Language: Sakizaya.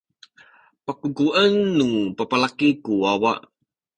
pakungkuen nu babalaki ku wawa.